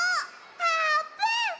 あーぷん！